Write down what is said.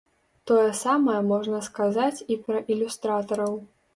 Тое самае можна сказаць і пра ілюстратараў.